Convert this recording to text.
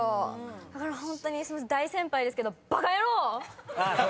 だからホントに大先輩ですけど。